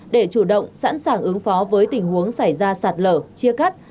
để chủ động sẵn sàng ứng phó với tình huống xảy ra sạt lở chia cắt